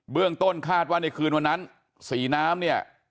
เรื่องต้นคาดว่าในคืนวันนั้นสีน้ำเนี่ย